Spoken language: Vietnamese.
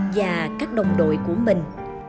và các đồng đội của mình